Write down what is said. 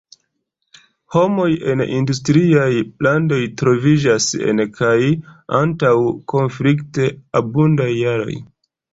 Homoj en industriaj landoj troviĝas en kaj antaŭ konflikt-abundaj jaroj.